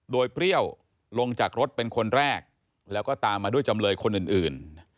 โดยเปรี้ยวลงจากรถเป็นคนแรกแล้วก็ตามมาด้วยจำเลยคนอื่น